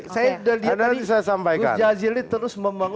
saya sudah lihat dari tujuh azili terus membangun